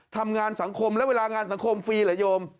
ทำงานสังคมและเวลางานสังคมฟรีเหรอโยม